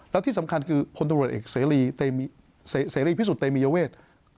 แล้วที่สำคัญคือพตเอกเสรีพิสุทธิ์เตมีเยาเวท